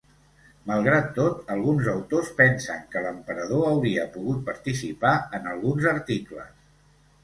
Malgrat tot, alguns autors pensen que l'emperador hauria pogut participar en alguns articles.